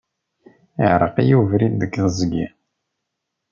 Iɛreq-iyi ubrid deg teẓgi.